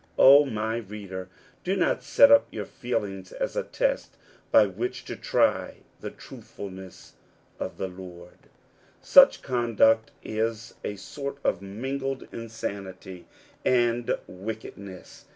^^ O my reader, do not set up your feelings as a test ^ by which to try the truthfulness of the Lord! Such conduct is a sort of mingled insanity and wickedness.